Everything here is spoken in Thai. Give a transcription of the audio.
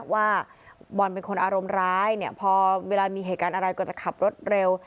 ว่าบอลเป็นคนอารมณ์ร้ายเนี่ยพอเวลามีเหตุการณ์อะไรก็จะขับรถเร็ว